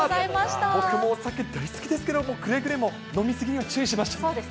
僕もお酒大好きですけれども、くれぐれも飲み過ぎには注意しましょう。